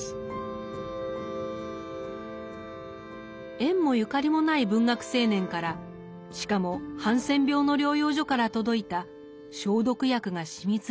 縁もゆかりもない文学青年からしかもハンセン病の療養所から届いた消毒薬が染みついた手紙。